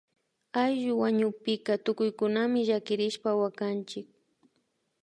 Ayllu wañukpika tukuykunami llakirishpa wakanchik